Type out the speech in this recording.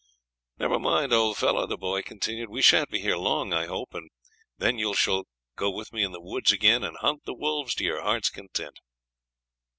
"Never mind, old fellow," the boy continued, "we sha'n't be here long, I hope, and then you shall go with me in the woods again and hunt the wolves to your heart's content."